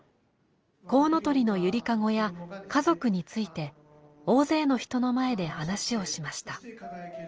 こうのとりのゆりかごや家族について大勢の人の前で話をしました。